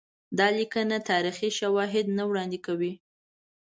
دا لیکنه تاریخي شواهد نه وړاندي کوي.